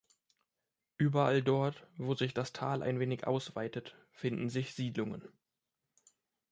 Überall dort, wo sich das Tal ein wenig ausweitet, finden sich Siedlungen.